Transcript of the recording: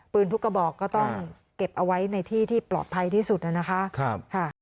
ทุกกระบอกก็ต้องเก็บเอาไว้ในที่ที่ปลอดภัยที่สุดนะคะ